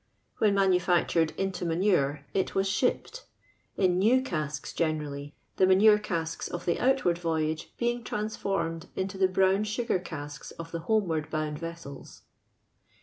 When manufactured into manuro it was 8hii>i)ed — in new casks generally, the manuro casks of tho outward voynge being trans forinol inti) the brown sugar casks of the home wanbbound vessels.